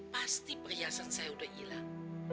pasti perhiasan saya sudah hilang